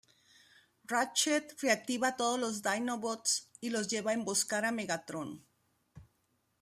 Ratchet reactiva a todos los Dinobots y los lleva a emboscar a Megatron.